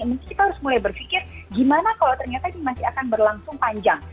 mungkin kita harus mulai berpikir gimana kalau ternyata ini masih akan berlangsung panjang